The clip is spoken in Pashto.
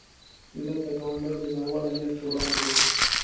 ملت د ګاونډیو د ناوړه نیت په وړاندې دی.